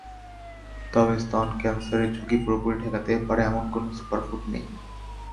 তবে স্তন ক্যানসারের ঝুঁকি পুরোপুরি ঠেকাতে পারে এমন কোনো সুপারফুড নেই।